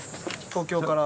東京から。